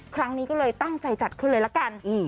ครั้งนี้ก็เลยตั้งใจจัดขึ้นเลยละกัน